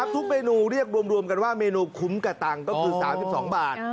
ทุกเมนูเรียกรวมกันว่าเมนูคุ้มกระตังก็คือ๓๒บาท